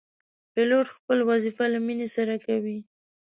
پیلوټ خپل وظیفه له مینې سره کوي.